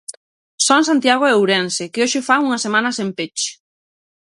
Son Santiago e Ourense, que hoxe fan unha semana sen peche.